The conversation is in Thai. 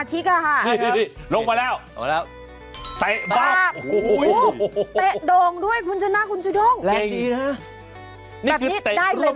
สกิดยิ้ม